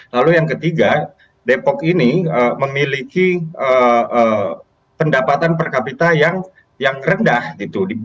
lalu yang ketiga depok ini memiliki pendapatan per kapita yang rendah gitu